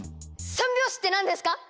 ３拍子って何ですか？